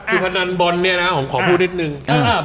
คือพนันบล้นผมขอพูดนิดนึง